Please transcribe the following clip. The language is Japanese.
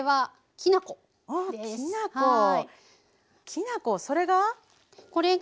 きな粉それが？